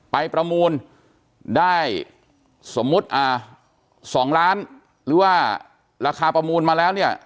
ประมูลได้สมมุติ๒ล้านหรือว่าราคาประมูลมาแล้วเนี่ย